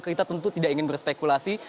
kita tentu tidak ingin berspekulasi